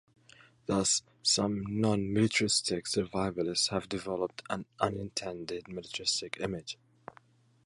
Thus, some non-militaristic survivalists have developed an unintended militaristic image.